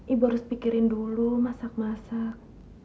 ibu harus pikirin dulu masak masak